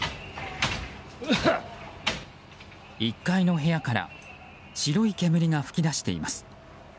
１階の部屋から白い煙が噴き出しています。